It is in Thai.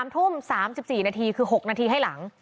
๓ทุ่ม๓๔นาทีคือ๖นาทีให้หลัง